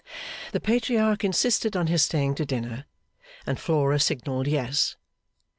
The Patriarch insisted on his staying to dinner, and Flora signalled 'Yes!